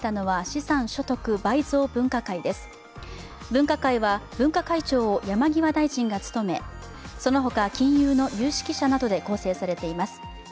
分科会は分科会長を山際大臣が務めそのほか、金融の有識者などで構成されています。